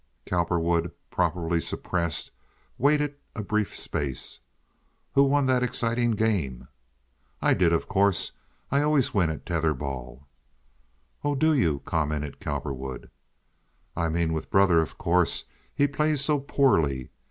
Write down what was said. Cowperwood, properly suppressed, waited a brief space. "Who won that exciting game?" "I did, of course. I always win at tether ball." "Oh, do you?" commented Cowperwood. "I mean with brother, of course. He plays so poorly."